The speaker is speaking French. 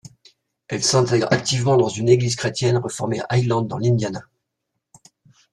Elle s'intègre activement dans une Église chrétienne réformée à Highland dans l'Indiana.